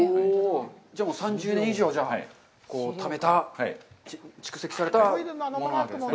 じゃあ、３０年以上、じゃあ、ためて蓄積されたものなんですね。